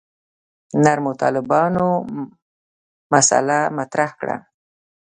نرمو طالبانو مسأله مطرح کړه.